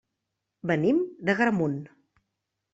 Venim d'Agramunt.